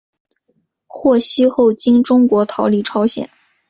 获释后经中国逃离朝鲜。